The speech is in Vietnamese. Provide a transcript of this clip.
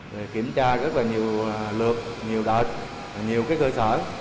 để kiểm tra rất là nhiều lượt nhiều đợt nhiều các cơ sở